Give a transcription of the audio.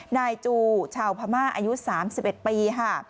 นายจูชาวพม่าอายุ๓๑ปีค่ะ